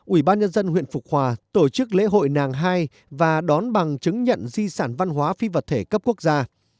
ủy ban nhân dân huyện phục hòa tổ chức lễ hội nàng hai và đón bằng chứng nhận di sản văn hóa phi vật thể cấp quốc gia